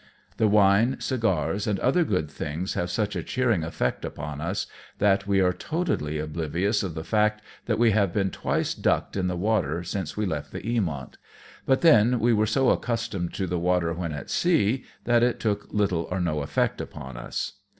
The wine, cigars, and other good things have such a cheering effect upon us, that we are totally oblivious of the fact that we have been twice ducked in the water since we left the Eaniont ; but then we were so accustomed to the water when at sea, that it took little or no effect upon us.